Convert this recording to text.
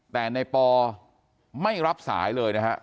แต่ในปอไม่รับสายเลยนะฮะ